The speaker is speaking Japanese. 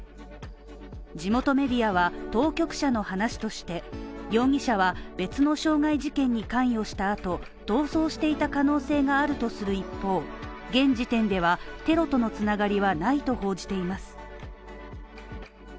地元メディアは当局者の話として、容疑者は別の傷害事件に関与した後、逃走していた可能性があるとする一方、現時点ではテロとの繋がりはないと報じています。